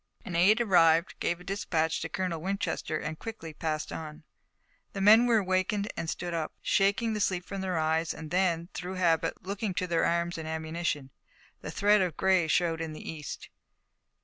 An aide arrived, gave a dispatch to Colonel Winchester, and quickly passed on. The men were awakened and stood up, shaking the sleep from their eyes and then, through habit, looking to their arms and ammunition. The thread of gray showed in the east.